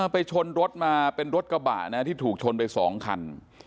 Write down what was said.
ไปชนรถมาเป็นรถกระบะนะที่ถูกชนไป๒คัน